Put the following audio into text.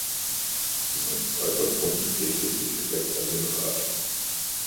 Mein zweiter Punkt richtet sich direkt an den Rat.